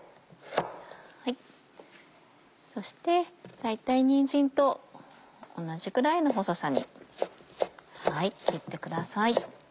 そして大体にんじんと同じくらいの細さに切ってください。